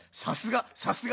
さすが！